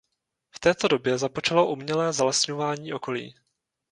V této době započalo umělé zalesňování okolí.